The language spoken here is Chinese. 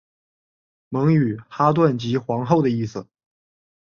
蒙语哈屯即皇后的意思。